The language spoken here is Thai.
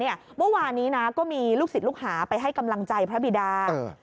เมื่อวานนี้นะก็มีลูกศิษย์ลูกหาไปให้กำลังใจพระบิดา